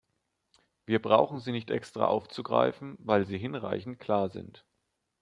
Wir brauchen sie nicht extra aufzugreifen, weil sie hinreichend klar sind.